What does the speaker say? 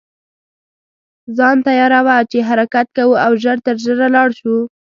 ځان تیاروه چې حرکت کوو او ژر تر ژره لاړ شو.